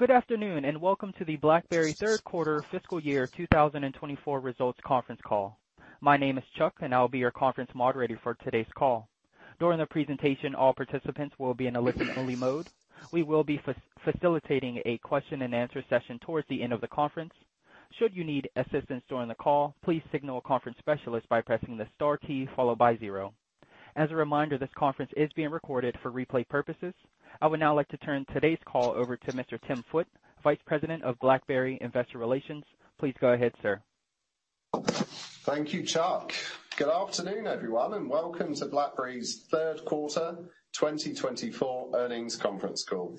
Good afternoon, and welcome to the BlackBerry third quarter fiscal year 2024 results conference call. My name is Chuck, and I'll be your conference moderator for today's call. During the presentation, all participants will be in a listen-only mode. We will be facilitating a question-and-answer session towards the end of the conference. Should you need assistance during the call, please signal a conference specialist by pressing the star key followed by zero. As a reminder, this conference is being recorded for replay purposes. I would now like to turn today's call over to Mr. Tim Foote, Vice President of BlackBerry Investor Relations. Please go ahead, sir. Thank you, Chuck. Good afternoon, everyone, and welcome to BlackBerry's third quarter 2024 earnings conference call.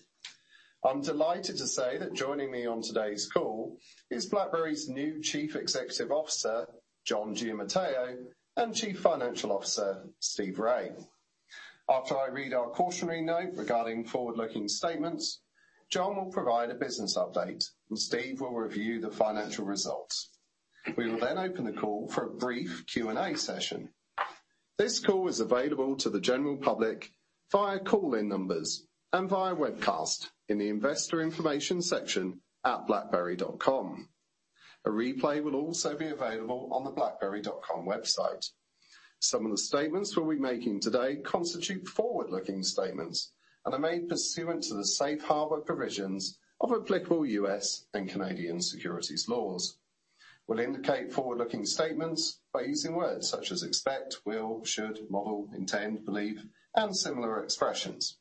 I'm delighted to say that joining me on today's call is BlackBerry's new Chief Executive Officer, John Giamatteo, and Chief Financial Officer, Steve Rai. After I read our cautionary note regarding forward-looking statements, John will provide a business update, and Steve will review the financial results. We will then open the call for a brief Q&A session. This call is available to the general public via call-in numbers and via webcast in the Investor Information section at blackberry.com. A replay will also be available on the blackberry.com website. Some of the statements we'll be making today constitute forward-looking statements and are made pursuant to the safe harbor provisions of applicable U.S. and Canadian securities laws. We'll indicate forward-looking statements by using words such as expect, will, should, model, intend, believe, and similar expressions.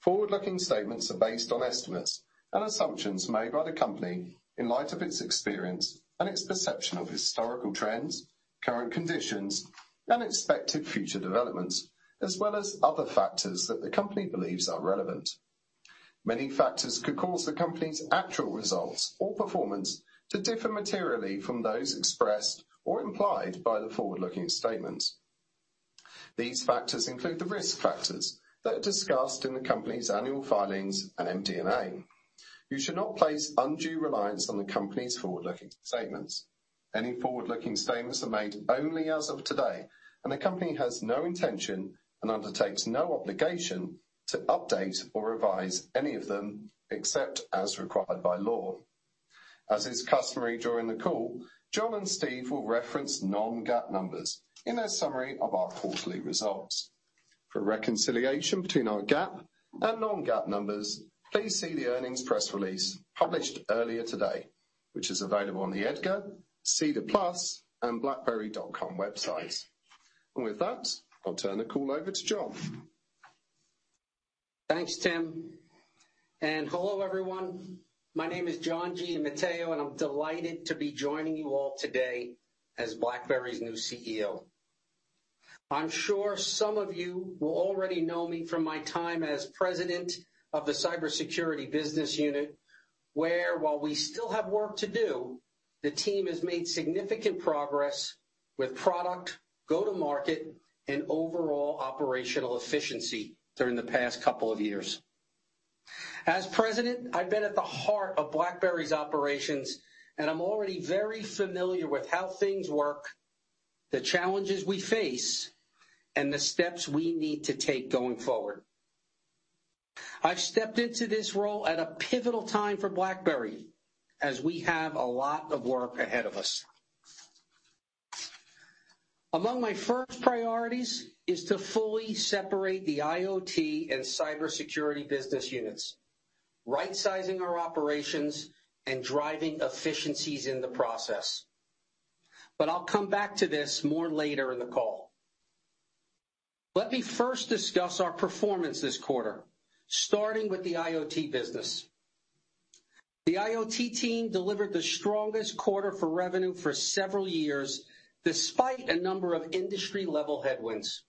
Forward-looking statements are based on estimates and assumptions made by the company in light of its experience and its perception of historical trends, current conditions, and expected future developments, as well as other factors that the company believes are relevant. Many factors could cause the company's actual results or performance to differ materially from those expressed or implied by the forward-looking statements. These factors include the risk factors that are discussed in the company's annual filings and MD&A. You should not place undue reliance on the company's forward-looking statements. Any forward-looking statements are made only as of today, and the company has no intention and undertakes no obligation to update or revise any of them, except as required by law. As is customary during the call, John and Steve will reference non-GAAP numbers in their summary of our quarterly results. For a reconciliation between our GAAP and non-GAAP numbers, please see the earnings press release published earlier today, which is available on the EDGAR, SEDAR+, and BlackBerry.com websites. With that, I'll turn the call over to John. Thanks, Tim, and hello, everyone. My name is John Giamatteo, and I'm delighted to be joining you all today as BlackBerry's new CEO. I'm sure some of you will already know me from my time as President of the Cybersecurity business unit, where, while we still have work to do, the team has made significant progress with product, go-to-market, and overall operational efficiency during the past couple of years. As President, I've been at the heart of BlackBerry's operations, and I'm already very familiar with how things work, the challenges we face, and the steps we need to take going forward. I've stepped into this role at a pivotal time for BlackBerry, as we have a lot of work ahead of us. Among my first priorities is to fully separate the IoT and cybersecurity business units, right-sizing our operations and driving efficiencies in the process. But I'll come back to this more later in the call. Let me first discuss our performance this quarter, starting with the IoT business. The IoT team delivered the strongest quarter for revenue for several years, despite a number of industry-level headwinds.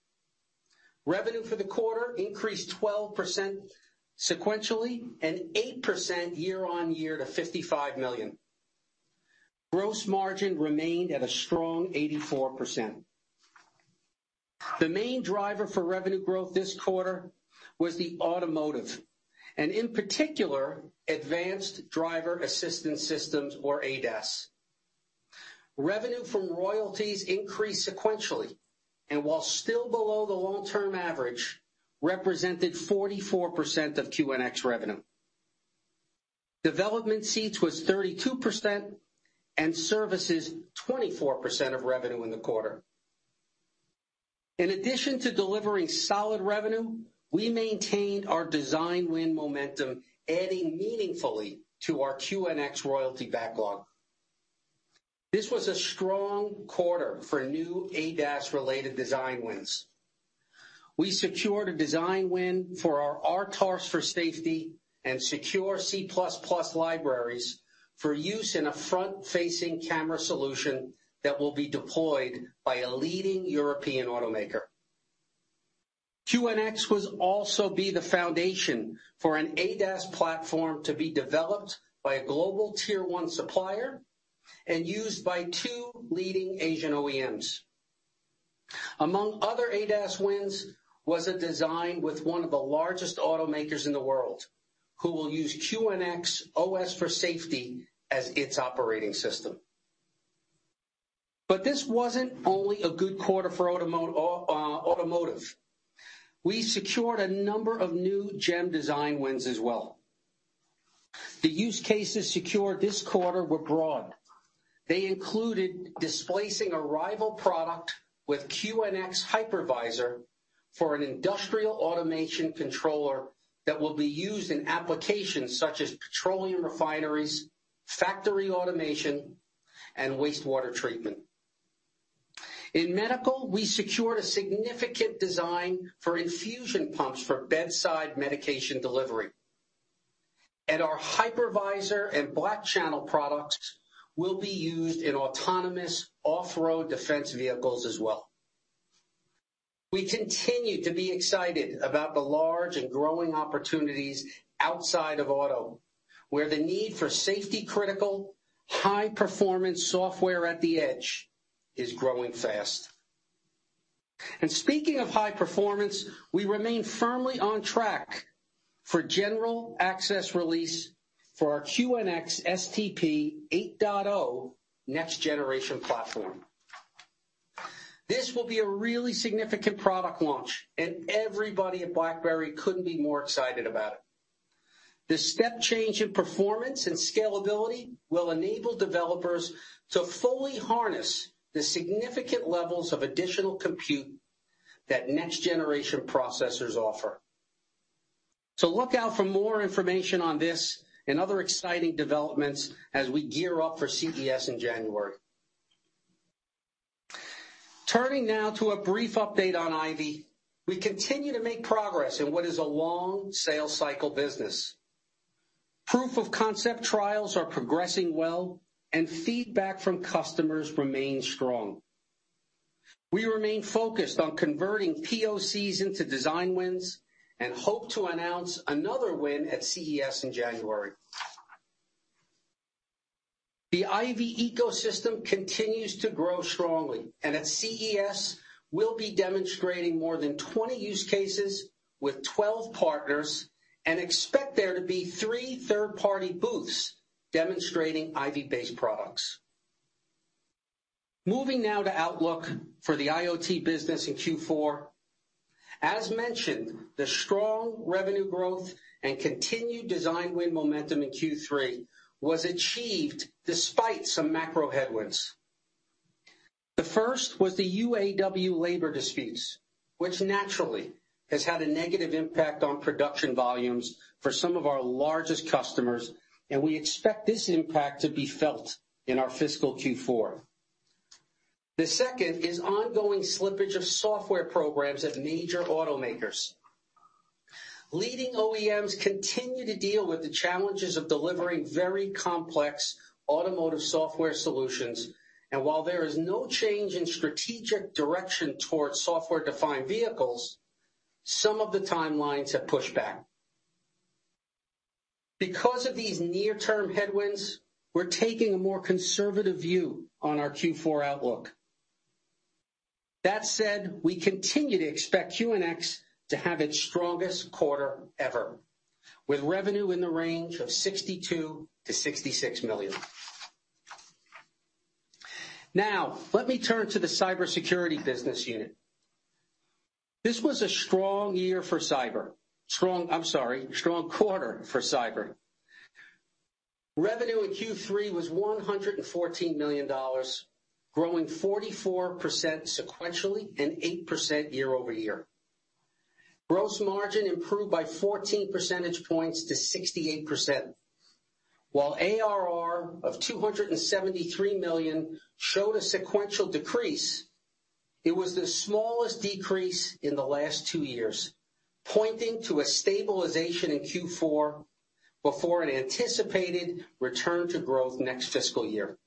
Revenue for the quarter increased 12% sequentially and 8% year-on-year to $55 million. Gross margin remained at a strong 84%. The main driver for revenue growth this quarter was the automotive and, in particular, Advanced Driver Assistance Systems, or ADAS. Revenue from royalties increased sequentially and, while still below the long-term average, represented 44% of QNX revenue. Development seats was 32%, and services, 24% of revenue in the quarter. In addition to delivering solid revenue, we maintained our design win momentum, adding meaningfully to our QNX royalty backlog. This was a strong quarter for new ADAS-related design wins. We secured a design win for our RTOS for Safety and Secure C++ libraries for use in a front-facing camera solution that will be deployed by a leading European automaker. QNX will also be the foundation for an ADAS platform to be developed by a global tier-one supplier and used by two leading Asian OEMs. Among other ADAS wins was a design with one of the largest automakers in the world, who will use QNX OS for Safety as its operating system. But this wasn't only a good quarter for automotive. We secured a number of new GEM design wins as well. The use cases secured this quarter were broad. They included displacing a rival product with QNX Hypervisor for an industrial automation controller that will be used in applications such as petroleum refineries, factory automation, and wastewater treatment. In medical, we secured a significant design for infusion pumps for bedside medication delivery, and our Hypervisor and Black Channel products will be used in autonomous off-road defense vehicles as well. We continue to be excited about the large and growing opportunities outside of auto, where the need for safety-critical, high-performance software at the edge is growing fast. And speaking of high performance, we remain firmly on track for general access release for our QNX SDP 8.0 next-generation platform. This will be a really significant product launch, and everybody at BlackBerry couldn't be more excited about it. The step change in performance and scalability will enable developers to fully harness the significant levels of additional compute that next-generation processors offer. So look out for more information on this and other exciting developments as we gear up for CES in January. Turning now to a brief update on IVY, we continue to make progress in what is a long sales cycle business. Proof of concept trials are progressing well, and feedback from customers remains strong. We remain focused on converting POCs into design wins and hope to announce another win at CES in January. The IVY ecosystem continues to grow strongly, and at CES, we'll be demonstrating more than 20 use cases with 12 partners and expect there to be three third-party booths demonstrating IVY-based products. Moving now to outlook for the IoT business in Q4. As mentioned, the strong revenue growth and continued design win momentum in Q3 was achieved despite some macro headwinds. The first was the UAW labor disputes, which naturally has had a negative impact on production volumes for some of our largest customers, and we expect this impact to be felt in our fiscal Q4. The second is ongoing slippage of software programs at major automakers. Leading OEMs continue to deal with the challenges of delivering very complex automotive software solutions, and while there is no change in strategic direction towards software-defined vehicles, some of the timelines have pushed back. Because of these near-term headwinds, we're taking a more conservative view on our Q4 outlook. That said, we continue to expect QNX to have its strongest quarter ever, with revenue in the range of $62 million-$66 million. Now, let me turn to the cybersecurity business unit. This was a strong quarter for cyber. Revenue in Q3 was $114 million, growing 44% sequentially and 8% year-over-year. Gross margin improved by 14 percentage points to 68%, while ARR of $273 million showed a sequential decrease, it was the smallest decrease in the last two years, pointing to a stabilization in Q4 before an anticipated return to growth next fiscal year.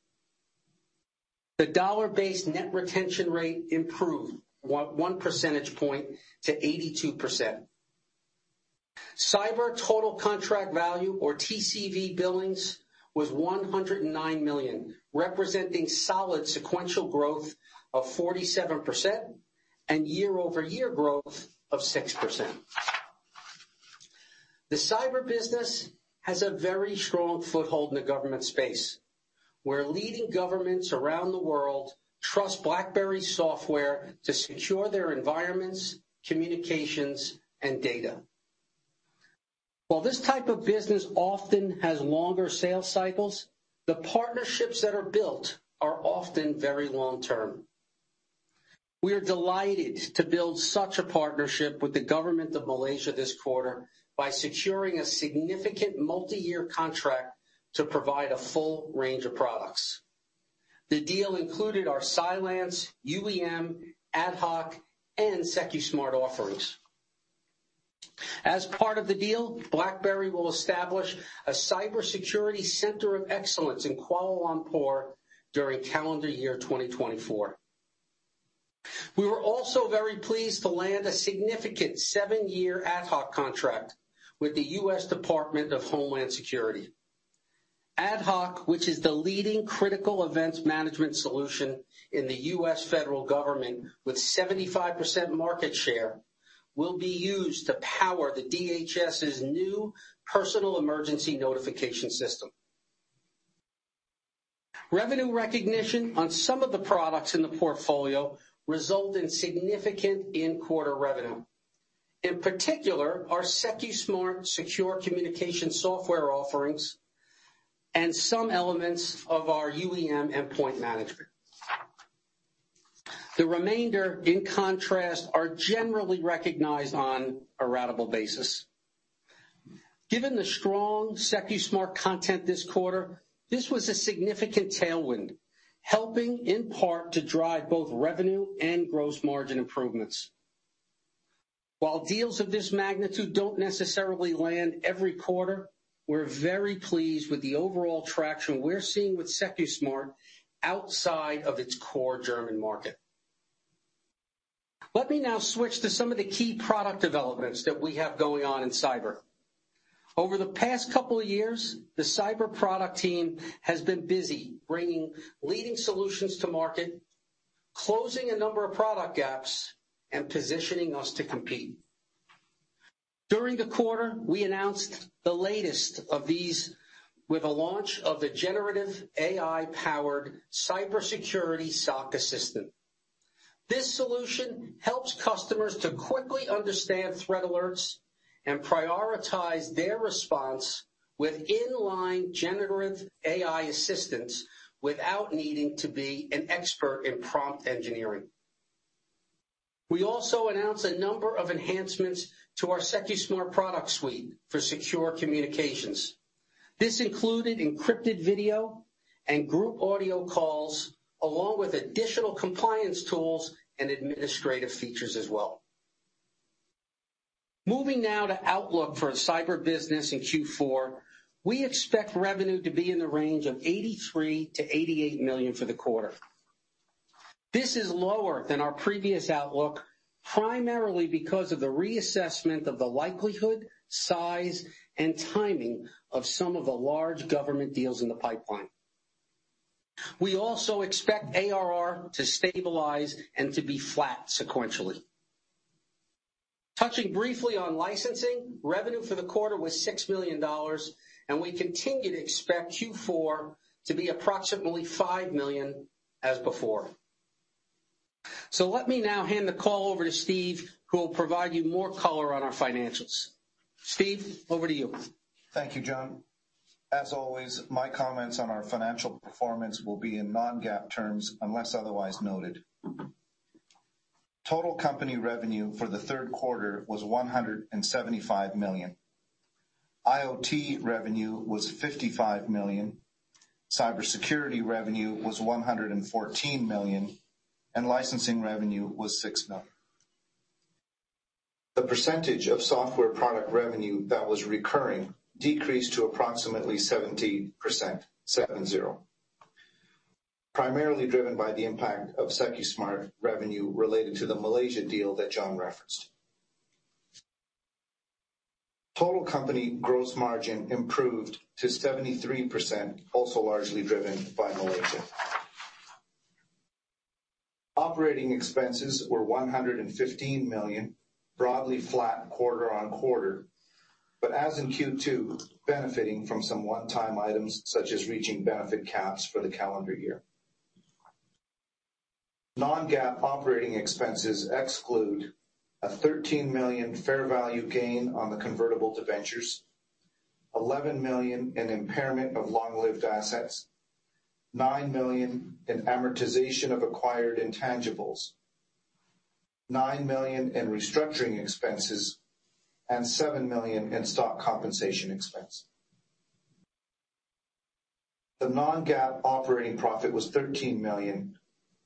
The dollar-based net retention rate improved 1.1 percentage points to 82%. Cyber total contract value, or TCV billings, was $109 million, representing solid sequential growth of 47% and year-over-year growth of 6%. The cyber business has a very strong foothold in the government space, where leading governments around the world trust BlackBerry's software to secure their environments, communications, and data. While this type of business often has longer sales cycles, the partnerships that are built are often very long-term. We are delighted to build such a partnership with the Government of Malaysia this quarter by securing a significant multiyear contract to provide a full range of products. The deal included our Cylance, UEM, AtHoc, and Secusmart offerings. As part of the deal, BlackBerry will establish a Cybersecurity Center of Excellence in Kuala Lumpur during calendar year 2024. We were also very pleased to land a significant seven-year AtHoc contract with the U.S. Department of Homeland Security. AtHoc, which is the leading critical events management solution in the U.S. federal government with 75% market share, will be used to power the DHS's new ersonnel Emergency Notification System. Revenue recognition on some of the products in the portfolio result in significant in-quarter revenue. In particular, our Secusmart secure communication software offerings and some elements of our UEM endpoint management. The remainder, in contrast, are generally recognized on a ratable basis. Given the strong Secusmart content this quarter, this was a significant tailwind, helping in part to drive both revenue and gross margin improvements. While deals of this magnitude don't necessarily land every quarter, we're very pleased with the overall traction we're seeing with Secusmart outside of its core German market. Let me now switch to some of the key product developments that we have going on in cyber. Over the past couple of years, the cyber product team has been busy bringing leading solutions to market, closing a number of product gaps, and positioning us to compete. During the quarter, we announced the latest of these with a launch of a Generative AI-powered cybersecurity SOC assistant. This solution helps customers to quickly understand threat alerts and prioritize their response with inline generative AI assistance without needing to be an expert in prompt engineering. We also announced a number of enhancements to our Secusmart product suite for secure communications. This included encrypted video and group audio calls, along with additional compliance tools and administrative features as well. Moving now to outlook for the cyber business in Q4, we expect revenue to be in the range of $83 million-$88 million for the quarter. This is lower than our previous outlook, primarily because of the reassessment of the likelihood, size, and timing of some of the large government deals in the pipeline. We also expect ARR to stabilize and to be flat sequentially. Touching briefly on licensing, revenue for the quarter was $6 million, and we continue to expect Q4 to be approximately $5 million as before. Let me now hand the call over to Steve, who will provide you more color on our financials. Steve, over to you. Thank you, John. As always, my comments on our financial performance will be in non-GAAP terms, unless otherwise noted. Total company revenue for the third quarter was $175 million. IoT revenue was $55 million, cybersecurity revenue was $114 million, and licensing revenue was $6 million. The percentage of software product revenue that was recurring decreased to approximately 17.0%, primarily driven by the impact of Secusmart revenue related to the Malaysia deal that John referenced. Total company gross margin improved to 73%, also largely driven by Malaysia. Operating expenses were $115 million, broadly flat quarter-over-quarter, but as in Q2, benefiting from some one-time items, such as reaching benefit caps for the calendar year. Non-GAAP operating expenses exclude a $13 million fair value gain on the convertible debentures, $11 million in impairment of long-lived assets, $9 million in amortization of acquired intangibles, $9 million in restructuring expenses, and $7 million in stock compensation expense. The non-GAAP operating profit was $13 million,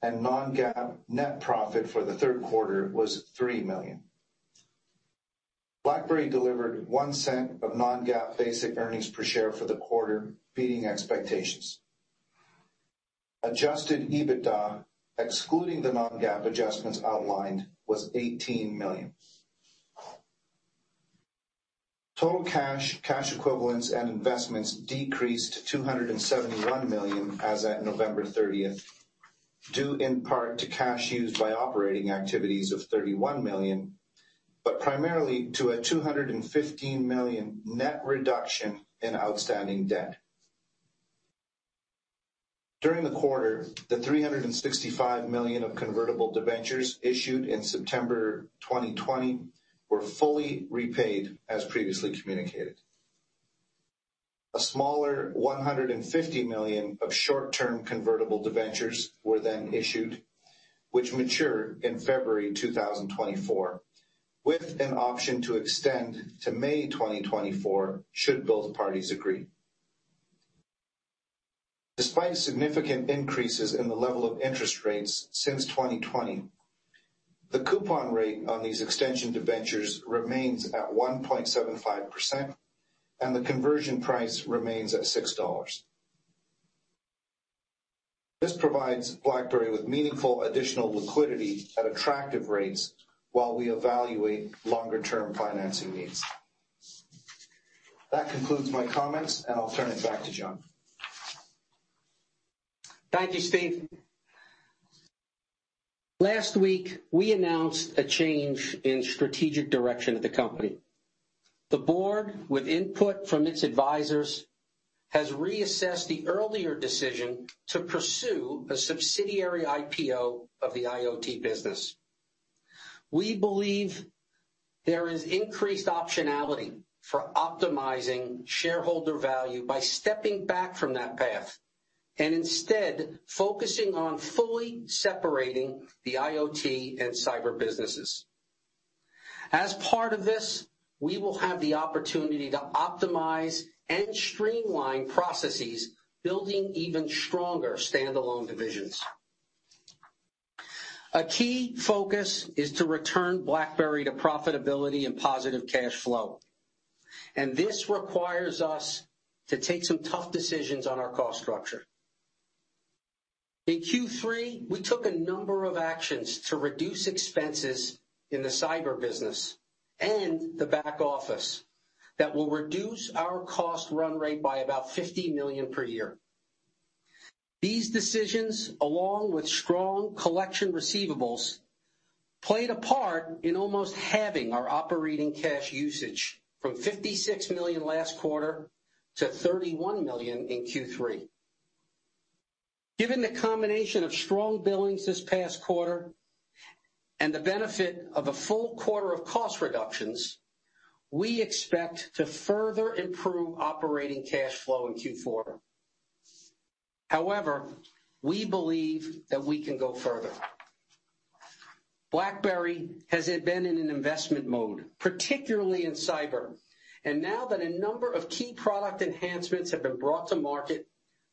and non-GAAP net profit for the third quarter was $3 million. BlackBerry delivered $0.01 of non-GAAP basic earnings per share for the quarter, beating expectations. Adjusted EBITDA, excluding the non-GAAP adjustments outlined, was $18 million. Total cash, cash equivalents, and investments decreased to $271 million as at November thirtieth, due in part to cash used by operating activities of $31 million, but primarily to a $215 million net reduction in outstanding debt. During the quarter, the $365 million of convertible debentures issued in September 2020 were fully repaid, as previously communicated. A smaller $150 million of short-term convertible debentures were then issued, which mature in February 2024, with an option to extend to May 2024, should both parties agree. Despite significant increases in the level of interest rates since 2020, the coupon rate on these extension debentures remains at 1.75%, and the conversion price remains at $6. This provides BlackBerry with meaningful additional liquidity at attractive rates while we evaluate longer-term financing needs. That concludes my comments, and I'll turn it back to John. Thank you, Steve. Last week, we announced a change in strategic direction of the company. The board, with input from its advisors, has reassessed the earlier decision to pursue a subsidiary IPO of the IoT business. We believe there is increased optionality for optimizing shareholder value by stepping back from that path and instead focusing on fully separating the IoT and cyber businesses. As part of this, we will have the opportunity to optimize and streamline processes, building even stronger standalone divisions. A key focus is to return BlackBerry to profitability and positive cash flow, and this requires us to take some tough decisions on our cost structure. In Q3, we took a number of actions to reduce expenses in the cyber business and the back office that will reduce our cost run rate by about $50 million per year. These decisions, along with strong collection receivables, played a part in almost halving our operating cash usage from $56 million last quarter to $31 million in Q3. Given the combination of strong billings this past quarter and the benefit of a full quarter of cost reductions, we expect to further improve operating cash flow in Q4. However, we believe that we can go further. BlackBerry has been in an investment mode, particularly in cyber, and now that a number of key product enhancements have been brought to market,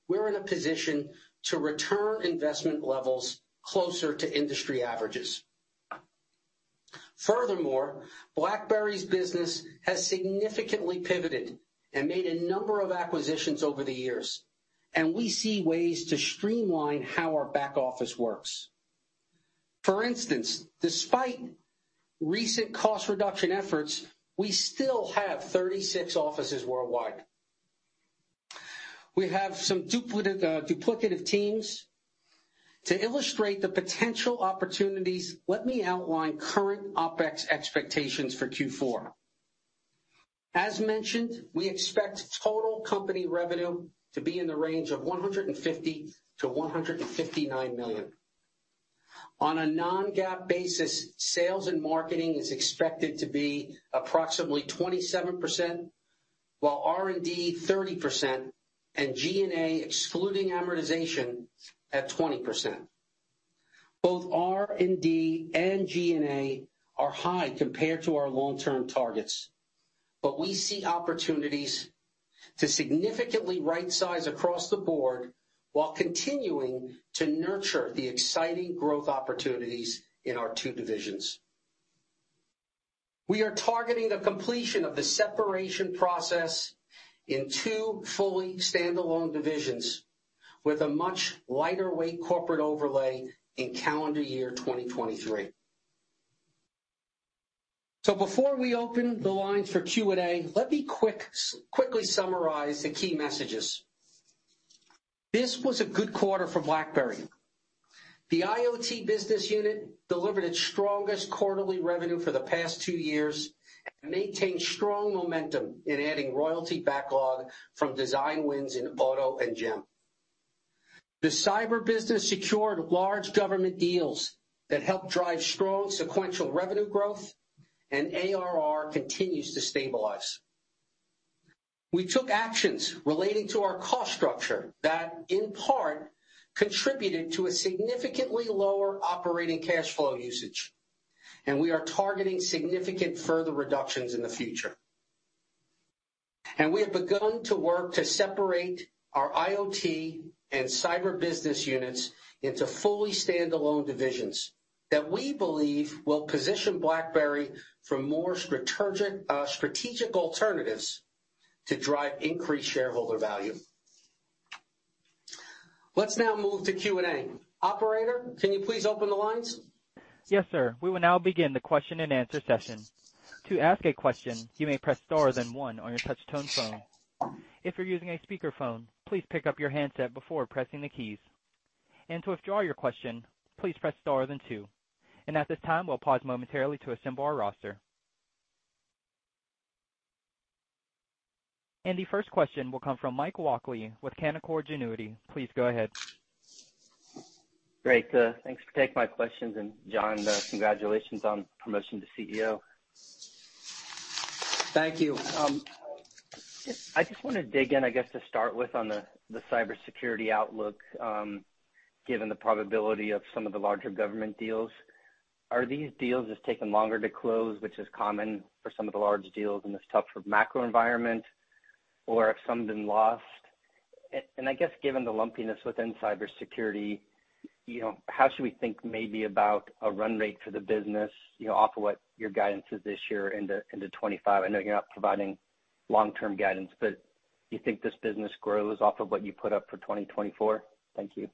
we're in a position to return investment levels closer to industry averages. Furthermore, BlackBerry's business has significantly pivoted and made a number of acquisitions over the years, and we see ways to streamline how our back office works. For instance, despite recent cost reduction efforts, we still have 36 offices worldwide. We have some duplicative teams. To illustrate the potential opportunities, let me outline current OpEx expectations for Q4. As mentioned, we expect total company revenue to be in the range of $150 million-$159 million. On a non-GAAP basis, sales and marketing is expected to be approximately 27%, while R&D, 30%, and G&A, excluding amortization, at 20%. Both R&D and G&A are high compared to our long-term targets, but we see opportunities to significantly rightsize across the board while continuing to nurture the exciting growth opportunities in our two divisions. We are targeting the completion of the separation process in two fully standalone divisions with a much lighter weight corporate overlay in calendar year 2023. So before we open the lines for Q&A, let me quickly summarize the key messages. This was a good quarter for BlackBerry. The IoT business unit delivered its strongest quarterly revenue for the past two years and maintained strong momentum in adding royalty backlog from design wins in Auto and GEM. The cyber business secured large government deals that helped drive strong sequential revenue growth, and ARR continues to stabilize. We took actions relating to our cost structure that, in part, contributed to a significantly lower operating cash flow usage, and we are targeting significant further reductions in the future. And we have begun to work to separate our IoT and cyber business units into fully standalone divisions that we believe will position BlackBerry for more strategic alternatives to drive increased shareholder value. Let's now move to Q&A. Operator, can you please open the lines? Yes, sir. We will now begin the question-and-answer session. To ask a question, you may press star then one on your touch-tone phone. If you're using a speakerphone, please pick up your handset before pressing the keys. And to withdraw your question, please press star then two. And at this time, we'll pause momentarily to assemble our roster. And the first question will come from Mike Walkley with Canaccord Genuity. Please go ahead. Great, thanks for taking my questions. And, John, congratulations on promotion to CEO. Thank you, I just want to dig in, I guess, to start with on the cybersecurity outlook, given the probability of some of the larger government deals. Are these deals just taking longer to close, which is common for some of the large deals in this tough macro environment, or have some been lost? And I guess, given the lumpiness within cybersecurity, you know, how should we think maybe about a run rate for the business, you know, off of what your guidance is this year into 2025? I know you're not providing long-term guidance, but you think this business grows off of what you put up for 2024? Thank you.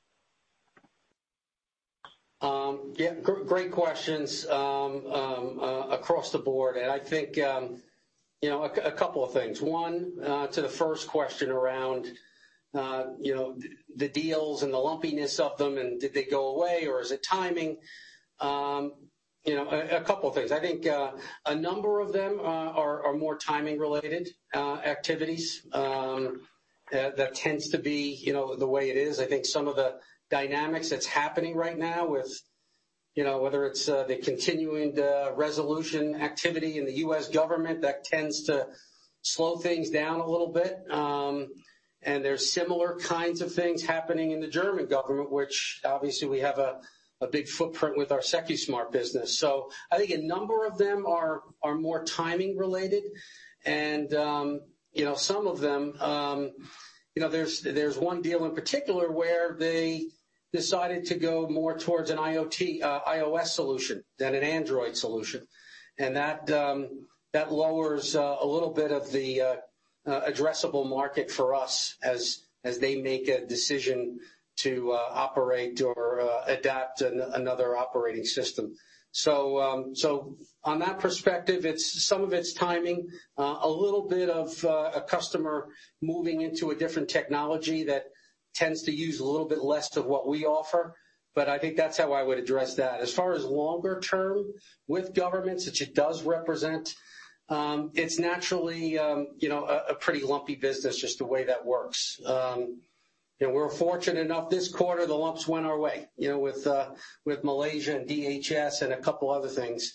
Yeah, great questions across the board, and I think... You know, a couple of things. One, to the first question around, you know, the deals and the lumpiness of them, and did they go away, or is it timing? You know, a couple things. I think a number of them are more timing-related activities. That tends to be, you know, the way it is. I think some of the dynamics that's happening right now with, you know, whether it's the continuing resolution activity in the U.S. government, that tends to slow things down a little bit. And there's similar kinds of things happening in the German government, which obviously we have a big footprint with our Secusmart business. So I think a number of them are more timing-related. And you know, some of them, you know, there's one deal in particular where they decided to go more towards an IoT iOS solution than an Android solution. And that lowers a little bit of the addressable market for us as they make a decision to operate or adapt another operating system. So on that perspective, it's some of its timing, a little bit of a customer moving into a different technology that tends to use a little bit less of what we offer, but I think that's how I would address that. As far as longer term with governments, which it does represent, it's naturally, you know, a pretty lumpy business, just the way that works. You know, we're fortunate enough, this quarter, the lumps went our way, you know, with, with Malaysia and DHS and a couple other things.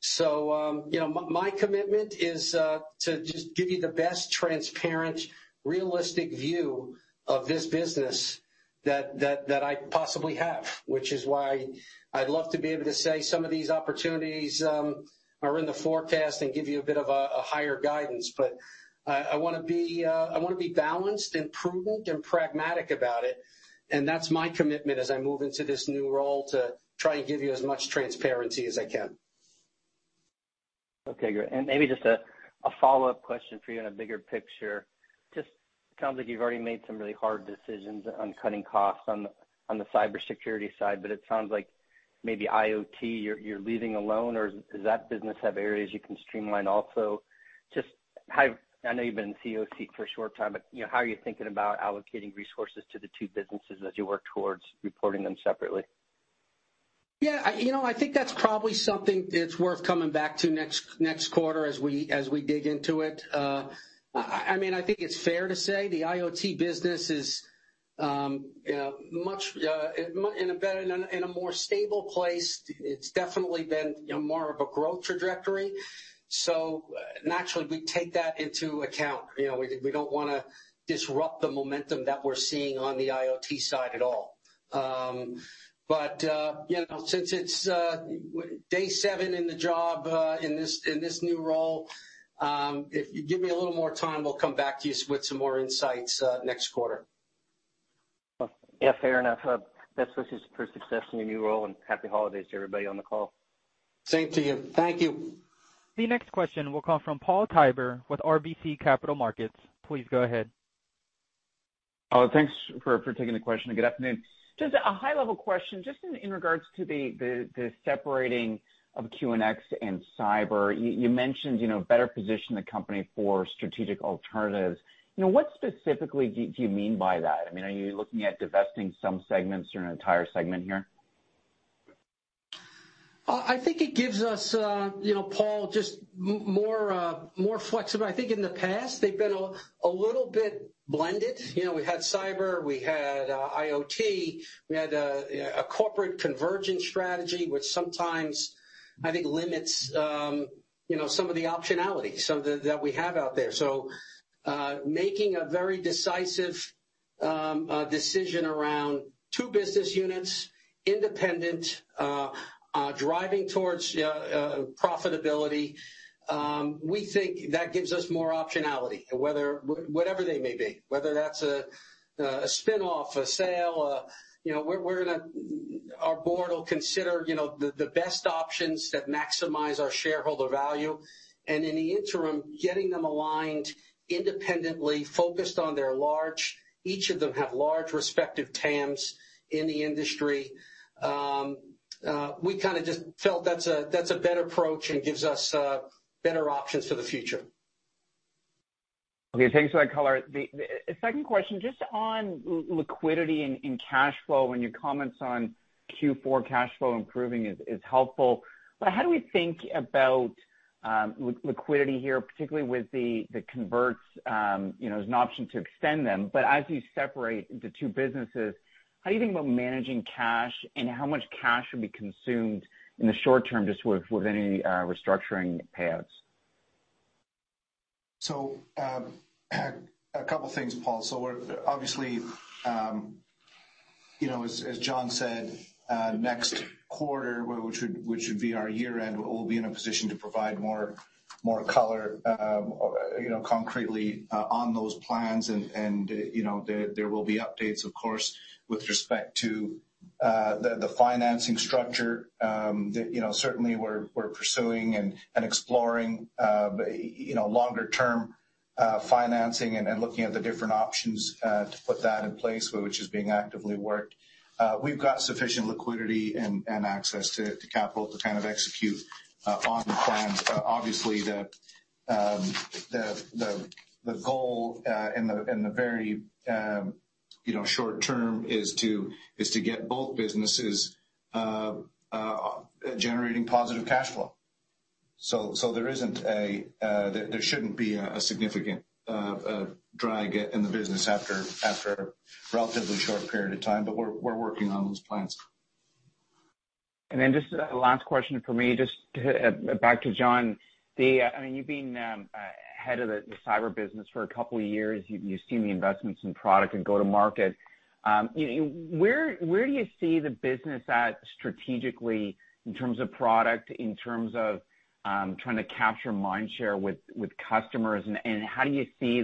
So, you know, my commitment is to just give you the best transparent, realistic view of this business that I possibly have, which is why I'd love to be able to say some of these opportunities are in the forecast and give you a bit of a higher guidance. But, I wanna be, I wanna be balanced and prudent and pragmatic about it, and that's my commitment as I move into this new role, to try and give you as much transparency as I can. Okay, great, and maybe just a follow-up question for you on a bigger picture. Just sounds like you've already made some really hard decisions on cutting costs on the cybersecurity side, but it sounds like maybe IoT, you're leaving alone, or does that business have areas you can streamline also? Just how... I know you've been in CEO for a short time, but, you know, how are you thinking about allocating resources to the two businesses as you work towards reporting them separately? Yeah, you know, I think that's probably something that's worth coming back to next quarter as we dig into it. I mean, I think it's fair to say the IoT business is, you know, much in a better, in a more stable place. It's definitely been, you know, more of a growth trajectory. So naturally, we take that into account. You know, we don't wanna disrupt the momentum that we're seeing on the IoT side at all. But, you know, since it's day seven in the job, in this new role, if you give me a little more time, we'll come back to you with some more insights next quarter. Yeah, fair enough. Best wishes for success in your new role, and happy holidays to everybody on the call. Same to you. Thank you. The next question will come from Paul Treiber with RBC Capital Markets. Please go ahead. Oh, thanks for taking the question, and good afternoon. Just a high-level question, just in regards to the separating of QNX and Cyber. You mentioned, you know, better position the company for strategic alternatives. You know, what specifically do you mean by that? I mean, are you looking at divesting some segments or an entire segment here? I think it gives us, you know, Paul, just more flexible. I think in the past, they've been a little bit blended. You know, we had Cyber, we had IoT, we had a corporate convergence strategy, which sometimes I think limits, you know, some of the optionality, some of the that we have out there. So, making a very decisive decision around two business units, independent, driving towards profitability, we think that gives us more optionality, whether whatever they may be, whether that's a spinoff, a sale. You know, our board will consider, you know, the best options that maximize our shareholder value, and in the interim, getting them aligned independently, focused on their large each of them have large respective TAMs in the industry. We kind of just felt that's a better approach and gives us better options for the future. Okay, thanks for that color. The second question, just on liquidity and cash flow, and your comments on Q4 cash flow improving is helpful. But how do we think about liquidity here, particularly with the converts, you know, as an option to extend them? But as you separate the two businesses, how do you think about managing cash, and how much cash would be consumed in the short term, just with any restructuring payouts? So, a couple things, Paul. So we're obviously, you know, as John said, next quarter, which would be our year-end, we'll be in a position to provide more color, you know, concretely, on those plans. And, you know, there will be updates, of course, with respect to the financing structure that, you know, certainly we're pursuing and exploring, you know, longer-term financing and looking at the different options to put that in place, which is being actively worked. We've got sufficient liquidity and access to capital to kind of execute on the plans. But obviously, the goal in the very, you know, short term is to get both businesses generating positive cash flow. There shouldn't be a significant drag in the business after a relatively short period of time, but we're working on those plans. And then just a last question from me, just to back to John. I mean, you've been head of the cyber business for a couple of years. You've seen the investments in product and go-to-market. Where do you see the business at strategically in terms of product, in terms of trying to capture mind share with customers, and how do you see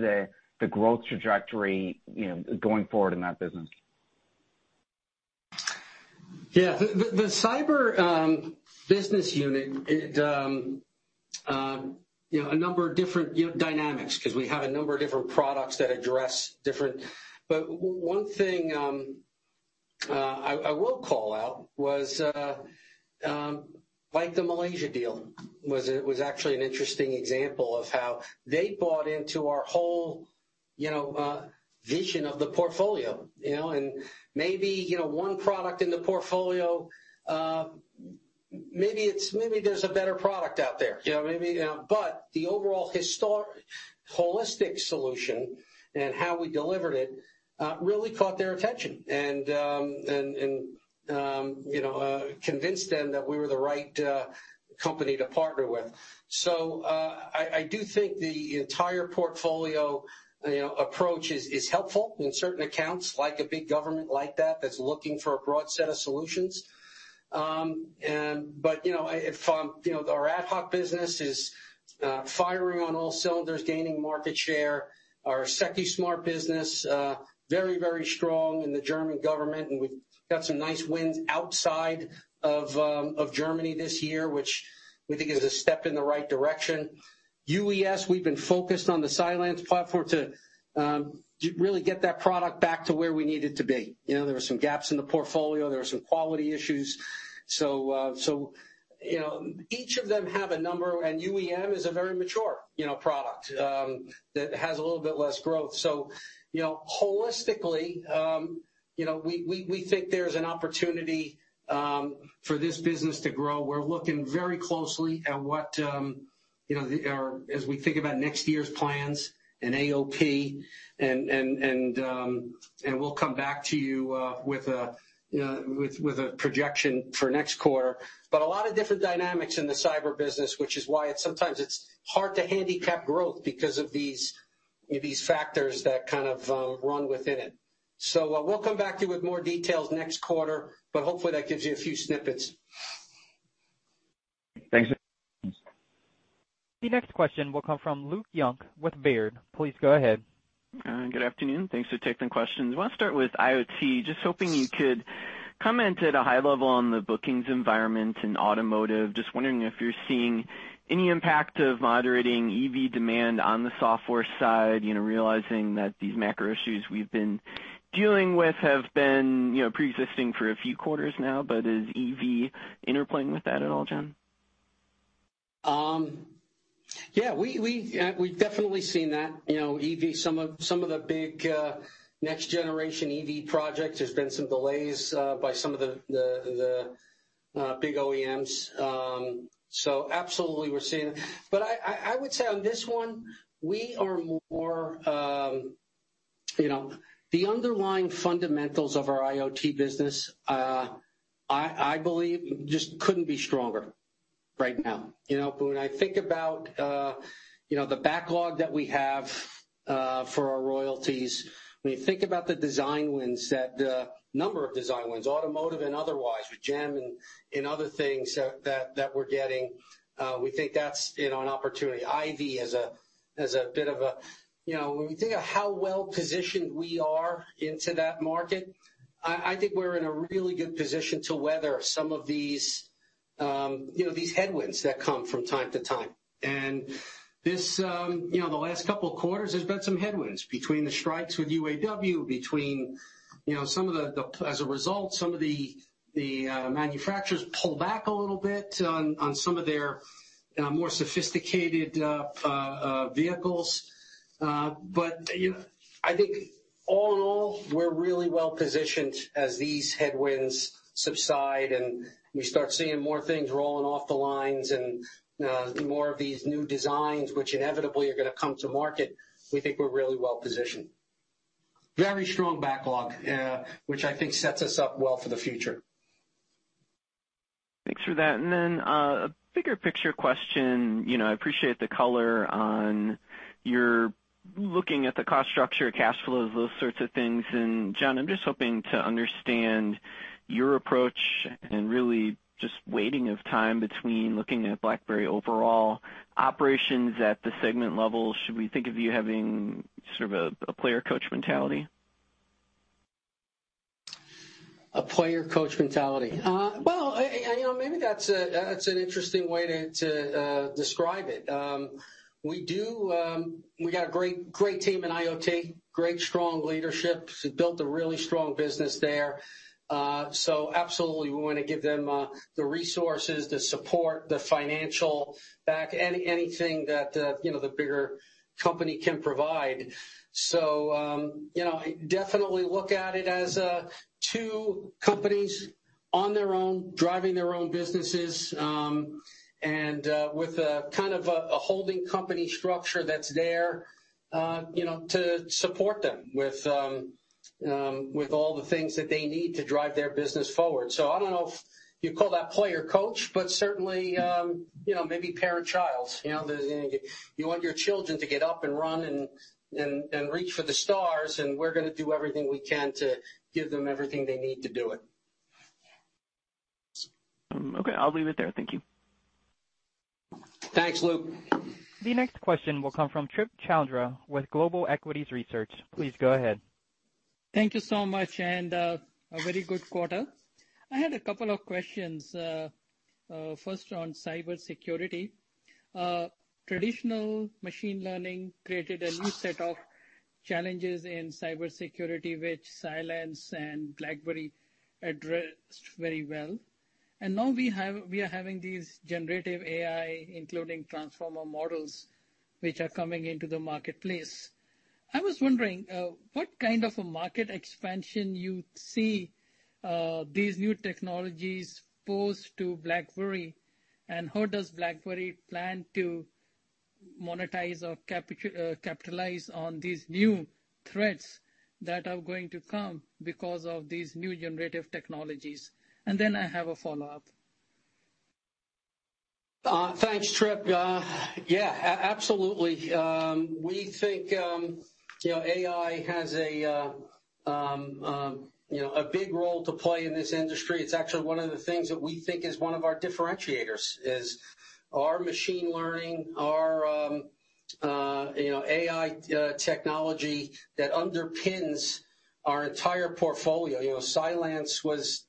the growth trajectory, you know, going forward in that business? Yeah. The cyber business unit, it you know, a number of different you know dynamics, 'cause we have a number of different products that address different... But one thing I will call out was like the Malaysia deal was actually an interesting example of how they bought into our whole, you know, vision of the portfolio, you know? And maybe, you know, one product in the portfolio, maybe there's a better product out there, you know, maybe. But the overall holistic solution and how we delivered it really caught their attention and you know convinced them that we were the right company to partner with. So, I do think the entire portfolio, you know, approach is helpful in certain accounts, like a big government like that, that's looking for a broad set of solutions. But, you know, if, you know, our AtHoc business is firing on all cylinders, gaining market share. Our Secusmart business very, very strong in the German government, and we've got some nice wins outside of Germany this year, which we think is a step in the right direction. UEM, we've been focused on the Cylance platform to really get that product back to where we need it to be. You know, there were some gaps in the portfolio, there were some quality issues. So, so, you know, each of them have a number, and UEM is a very mature, you know, product, that has a little bit less growth. So, you know, holistically, you know, we, we, we think there's an opportunity, for this business to grow. We're looking very closely at what, you know, our... as we think about next year's plans and AOP, and, and, and, and we'll come back to you, with a, with, with a projection for next quarter. But a lot of different dynamics in the cyber business, which is why it's sometimes it's hard to handicap growth because of these, these factors that kind of, run within it. So, we'll come back to you with more details next quarter, but hopefully, that gives you a few snippets. Thanks. The next question will come from Luke Junk with Baird. Please go ahead. Good afternoon. Thanks for taking the questions. I wanna start with IoT. Just hoping you could comment at a high level on the bookings environment in automotive. Just wondering if you're seeing any impact of moderating EV demand on the software side, you know, realizing that these macro issues we've been dealing with have been, you know, preexisting for a few quarters now, but is EV interplaying with that at all, John? Yeah, we've definitely seen that. You know, EV, some of the big next-generation EV projects, there's been some delays by some of the big OEMs. So absolutely we're seeing it. But I would say on this one, we are more you know, the underlying fundamentals of our IoT business, I believe just couldn't be stronger right now. You know, when I think about you know, the backlog that we have for our royalties, when you think about the design wins, that number of design wins, automotive and otherwise, with GEM and other things that we're getting, we think that's you know, an opportunity. IVY as a bit of a, you know, when we think of how well-positioned we are into that market, I think we're in a really good position to weather some of these, you know, these headwinds that come from time to time. And this, you know, the last couple of quarters, there's been some headwinds between the strikes with UAW, between, you know, some of the, as a result, some of the, manufacturers pull back a little bit on, on some of their, more sophisticated, vehicles. But, you know, I think all in all, we're really well positioned as these headwinds subside, and we start seeing more things rolling off the lines and, more of these new designs, which inevitably are gonna come to market. We think we're really well positioned. Very strong backlog, which I think sets us up well for the future. Thanks for that. Then, a bigger picture question. You know, I appreciate the color on you're looking at the cost structure, cash flows, those sorts of things. John, I'm just hoping to understand your approach and really just weighting of time between looking at BlackBerry overall operations at the segment level. Should we think of you having sort of a, a player-coach mentality? A player-coach mentality. Well, you know, maybe that's an interesting way to describe it. We got a great, great team in IoT, great, strong leadership. We built a really strong business there. So absolutely, we want to give them the resources, the support, the financial back, anything that you know, the bigger company can provide. So, you know, I definitely look at it as two companies on their own, driving their own businesses, and with a kind of a holding company structure that's there, you know, to support them with all the things that they need to drive their business forward. So I don't know if you call that player-coach, but certainly, you know, maybe parent-child. You know, you want your children to get up and run and reach for the stars, and we're gonna do everything we can to give them everything they need to do it. Okay, I'll leave it there. Thank you. Thanks, Luke. The next question will come from Trip Chowdhry with Global Equities Research. Please go ahead. Thank you so much, and a very good quarter. I had a couple of questions. First on cybersecurity. Traditional machine learning created a new set of challenges in cybersecurity, which Cylance and BlackBerry addressed very well. And now we have - we are having these generative AI, including transformer models, which are coming into the marketplace. I was wondering what kind of a market expansion you see these new technologies pose to BlackBerry, and how does BlackBerry plan to monetize or capitalize on these new threats that are going to come because of these new generative technologies? And then I have a follow-up. Thanks, Trip. Yeah, absolutely. We think, you know, AI has a, you know, a big role to play in this industry. It's actually one of the things that we think is one of our differentiators, is our machine learning, our, you know, AI, technology that underpins our entire portfolio. You know, Cylance was,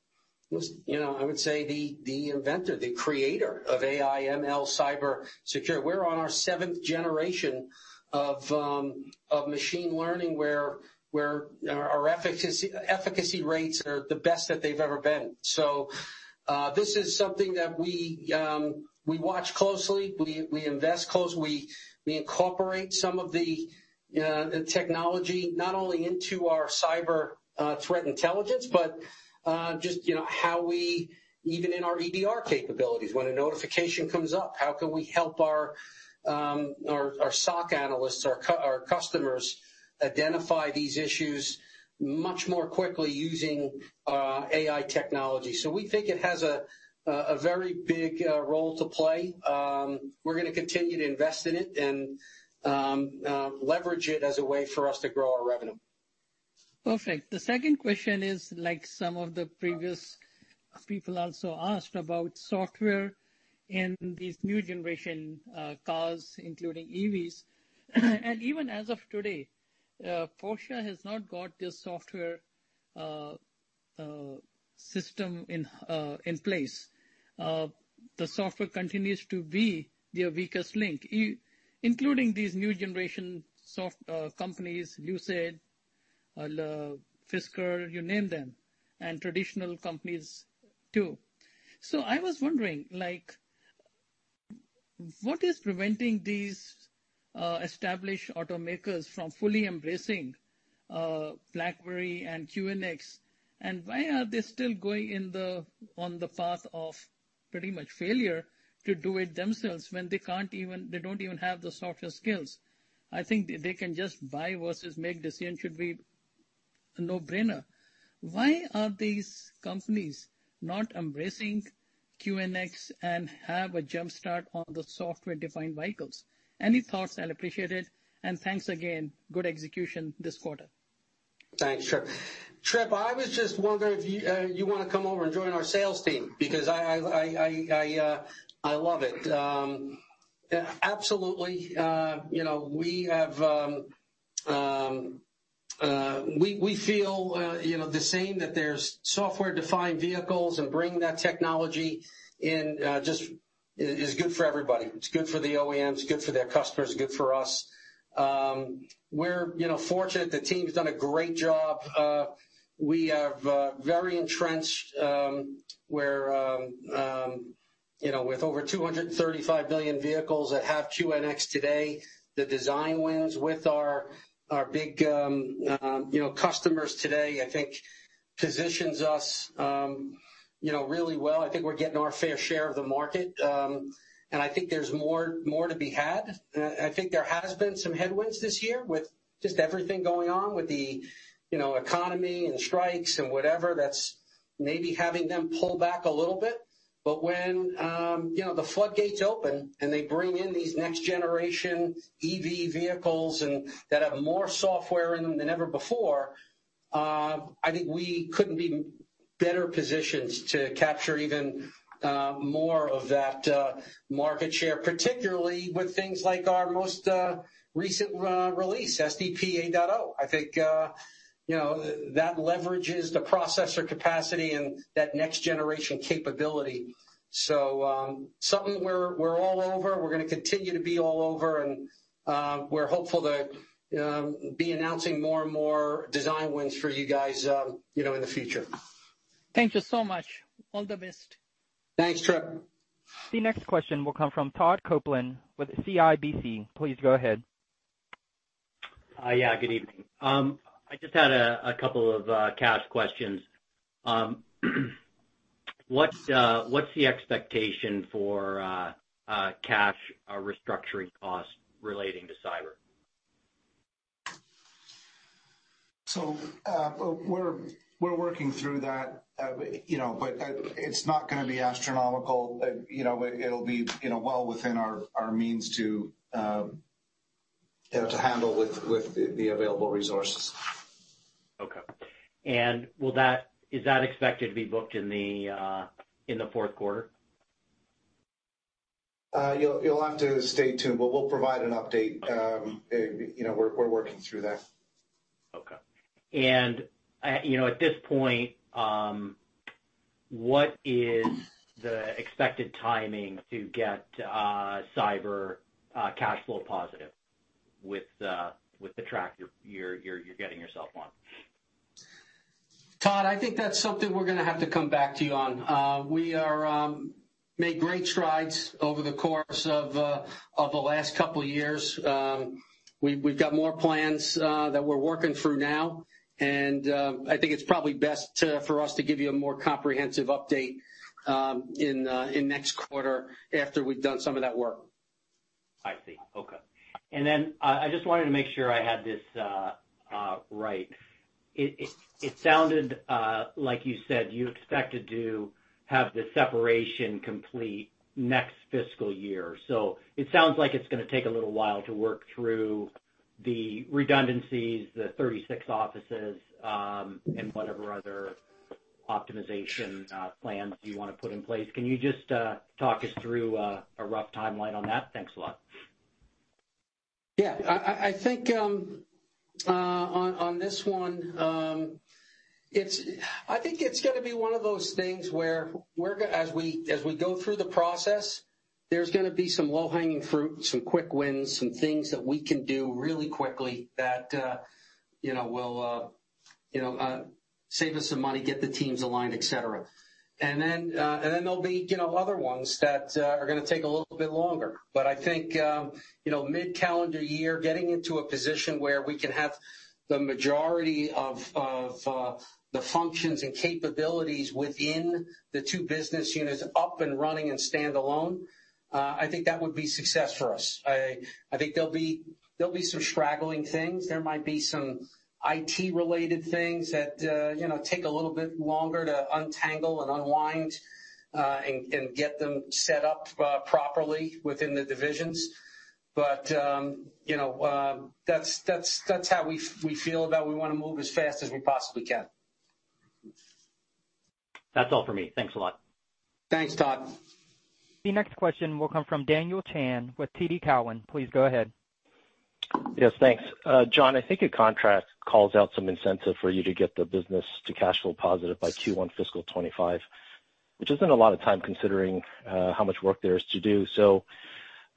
you know, I would say, the inventor, the creator of AI ML cybersecurity. We're on our seventh generation of machine learning, where our efficacy rates are the best that they've ever been. So, this is something that we watch closely, we invest closely. We incorporate some of the technology, not only into our cyber threat intelligence, but just, you know, how we... Even in our EDR capabilities, when a notification comes up, how can we help our SOC analysts, our customers, identify these issues much more quickly using AI technology? So we think it has a very big role to play. We're gonna continue to invest in it and leverage it as a way for us to grow our revenue. Perfect. The second question is, like some of the previous people also asked, about software in these new generation cars, including EVs. Even as of today, Porsche has not got this software system in place. The software continues to be their weakest link, including these new generation software companies, Lucid, Fisker, you name them, and traditional companies, too. So I was wondering, like, what is preventing these established automakers from fully embracing BlackBerry and QNX, and why are they still going on the path of pretty much failure to do it themselves, when they can't even, they don't even have the software skills? I think they can just buy versus make decision should be a no-brainer. Why are these companies not embracing QNX and have a jump start on the software-defined vehicles? Any thoughts, I'll appreciate it, and thanks again. Good execution this quarter. Thanks, Trip. Trip, I was just wondering if you want to come over and join our sales team, because I love it. Absolutely, you know, we feel, you know, the same, that there's software-defined vehicles, and bringing that technology in just is good for everybody. It's good for the OEMs, good for their customers, good for us. We're, you know, fortunate. The team's done a great job. We're very entrenched, you know, with over 235 million vehicles that have QNX today, the design wins with our big, you know, customers today, I think positions us, you know, really well. I think we're getting our fair share of the market, and I think there's more to be had. I think there has been some headwinds this year with just everything going on with the, you know, economy and strikes and whatever, that's maybe having them pull back a little bit. But when, you know, the floodgates open and they bring in these next-generation EV vehicles that have more software in them than ever before, I think we couldn't be better positioned to capture even more of that market share, particularly with things like our most recent release, SDP 8.0. I think, you know, that leverages the processor capacity and that next-generation capability. So, something we're all over, we're gonna continue to be all over, and we're hopeful to be announcing more and more design wins for you guys, you know, in the future. Thank you so much. All the best. Thanks, Trip. The next question will come from Todd Coupland with CIBC. Please go ahead. Yeah, good evening. I just had a couple of cash questions. What’s the expectation for cash restructuring costs relating to cyber? So, we're working through that, you know, but it's not gonna be astronomical. You know, it'll be, you know, well within our means to, you know, to handle with the available resources. Okay. And will that- is that expected to be booked in the fourth quarter? You'll have to stay tuned, but we'll provide an update. You know, we're working through that. Okay. And, you know, at this point, what is the expected timing to get cyber cash flow positive with the track you're getting yourself on? Todd, I think that's something we're gonna have to come back to you on. We made great strides over the course of the last couple of years. We've got more plans that we're working through now, and I think it's probably best for us to give you a more comprehensive update in next quarter after we've done some of that work. I see. Okay. And then, I just wanted to make sure I had this right. It sounded like you said, you expected to have the separation complete next fiscal year. So it sounds like it's gonna take a little while to work through the redundancies, the 36 offices, and whatever other optimization plans you wanna put in place. Can you just talk us through a rough timeline on that? Thanks a lot. Yeah. I think on this one, it's. I think it's gonna be one of those things where we're gonna... As we go through the process, there's gonna be some low-hanging fruit, some quick wins, some things that we can do really quickly that, you know, will, you know, save us some money, get the teams aligned, et cetera. And then, and then there'll be, you know, other ones that are gonna take a little bit longer. But I think, you know, mid-calendar year, getting into a position where we can have the majority of the functions and capabilities within the two business units up and running and standalone, I think that would be success for us. I think there'll be some straggling things. There might be some IT-related things that, you know, take a little bit longer to untangle and unwind, and get them set up properly within the divisions. But, you know, that's how we feel about we wanna move as fast as we possibly can. That's all for me. Thanks a lot. Thanks, Todd. The next question will come from Daniel Chan with TD Cowen. Please go ahead. Yes, thanks. John, I think your contract calls out some incentive for you to get the business to cash flow positive by Q1 fiscal 2025, which isn't a lot of time, considering how much work there is to do. So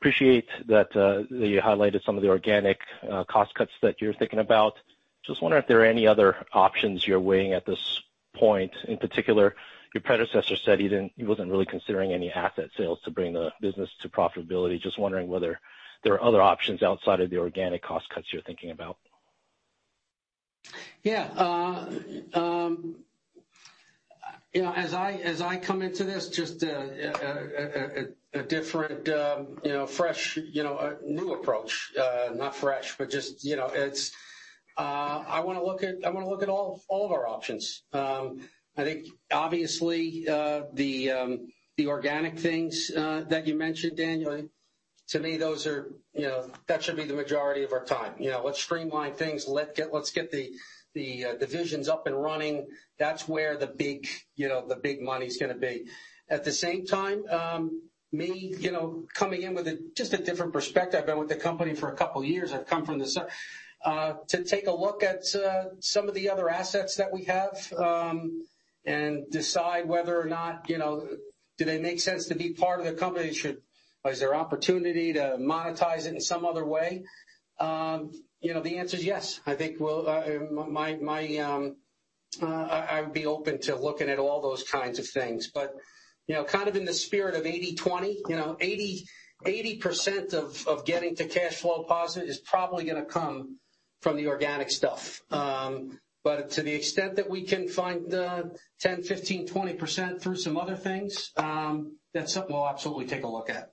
appreciate that that you highlighted some of the organic cost cuts that you're thinking about. Just wondering if there are any other options you're weighing at this point. In particular, your predecessor said he didn't. He wasn't really considering any asset sales to bring the business to profitability. Just wondering whether there are other options outside of the organic cost cuts you're thinking about. Yeah. You know, as I come into this, just a different, you know, fresh, you know, new approach. Not fresh, but just, you know, I wanna look at all of our options. I think, obviously, the organic things that you mentioned, Daniel, to me, those are, you know, that should be the majority of our time. You know, let's streamline things. Let's get the divisions up and running. That's where the big, you know, the big money's gonna be. At the same time, you know, coming in with just a different perspective, I've been with the company for a couple of years. I've come from the side. To take a look at, some of the other assets that we have, and decide whether or not, you know, do they make sense to be part of the company? Is there opportunity to monetize it in some other way? You know, the answer is yes. I think I'd be open to looking at all those kinds of things. But, you know, kind of in the spirit of 80/20, you know, 80% of getting to cash flow positive is probably gonna come from the organic stuff. But to the extent that we can find, 10%, 15%, 20% through some other things, that's something we'll absolutely take a look at.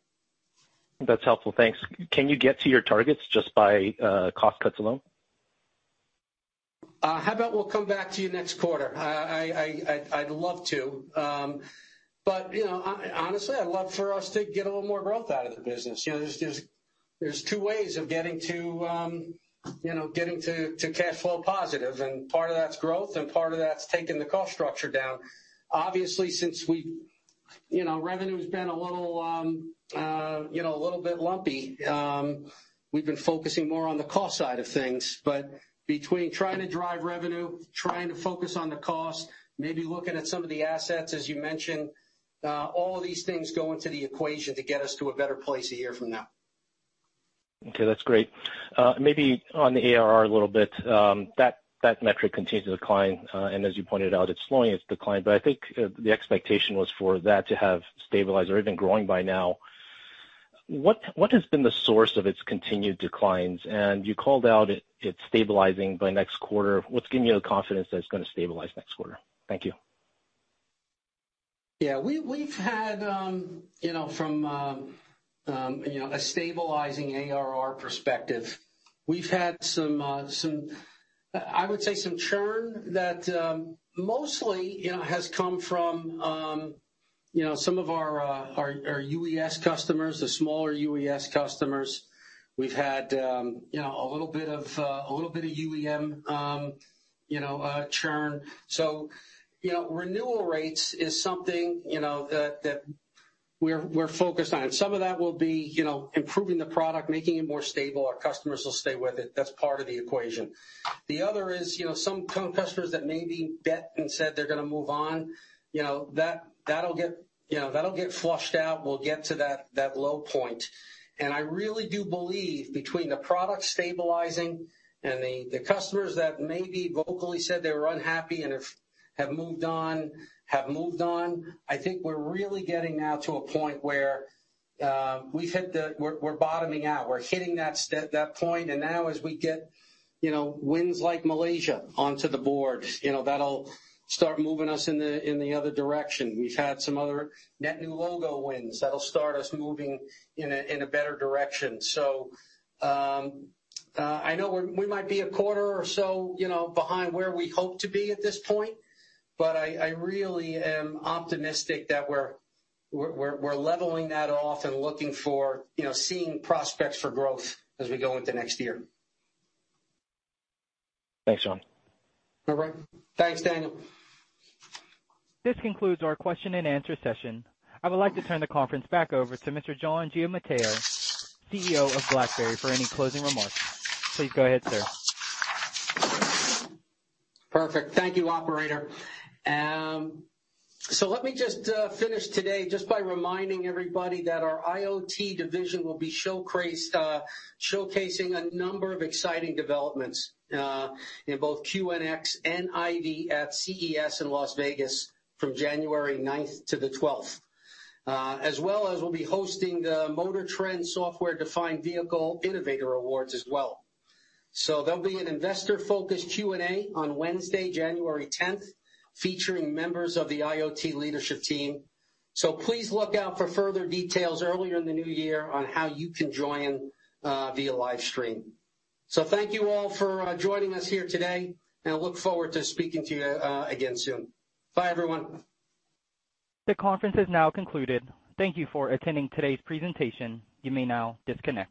That's helpful. Thanks. Can you get to your targets just by cost cuts alone? How about we'll come back to you next quarter? I'd love to, but, you know, honestly, I'd love for us to get a little more growth out of the business. You know, there's two ways of getting to, you know, getting to cash flow positive, and part of that's growth, and part of that's taking the cost structure down. Obviously, since we you know, revenue's been a little, you know, a little bit lumpy, we've been focusing more on the cost side of things. But between trying to drive revenue, trying to focus on the cost, maybe looking at some of the assets, as you mentioned, all of these things go into the equation to get us to a better place a year from now. Okay, that's great. Maybe on the ARR a little bit, that, that metric continues to decline, and as you pointed out, it's slowing its decline. But I think the, the expectation was for that to have stabilized or even growing by now. What, what has been the source of its continued declines? And you called out it, it stabilizing by next quarter. What's giving you the confidence that it's gonna stabilize next quarter? Thank you. Yeah, we've had you know from you know a stabilizing ARR perspective, we've had some, I would say, some churn that mostly you know has come from you know some of our UEM customers, the smaller UEM customers. We've had you know a little bit of UEM you know churn. So, you know, renewal rates is something you know that we're focused on. And some of that will be you know improving the product, making it more stable, our customers will stay with it. That's part of the equation. The other is you know some customers that maybe bet and said they're gonna move on you know that'll get flushed out. We'll get to that low point. I really do believe between the product stabilizing and the customers that maybe vocally said they were unhappy and have moved on, I think we're really getting now to a point where we've hit the bottom. We're bottoming out. We're hitting that point, and now as we get, you know, wins like Malaysia onto the board, you know, that'll start moving us in the other direction. We've had some other net new logo wins that'll start us moving in a better direction. So, I know we might be a quarter or so, you know, behind where we hope to be at this point, but I really am optimistic that we're leveling that off and looking for, you know, seeing prospects for growth as we go into next year. Thanks, John. All right. Thanks, Daniel. This concludes our question-and-answer session. I would like to turn the conference back over to Mr. John Giamatteo, CEO of BlackBerry, for any closing remarks. Please go ahead, sir. Perfect. Thank you, operator. So let me just finish today just by reminding everybody that our IoT division will be showcasing a number of exciting developments in both QNX and IVY at CES in Las Vegas from January ninth to the twelfth. As well as we'll be hosting the MotorTrend Software-Defined Vehicle Innovator Awards as well. So there'll be an investor-focused Q&A on Wednesday, January 10th, featuring members of the IoT leadership team. So please look out for further details earlier in the new year on how you can join via live stream. So thank you all for joining us here today, and I look forward to speaking to you again soon. Bye, everyone. The conference is now concluded. Thank you for attending today's presentation. You may now disconnect.